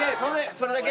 それだけ？